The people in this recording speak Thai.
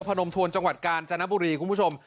พนมทวนจังหวัดกาญจนบุรีคุณผู้ชม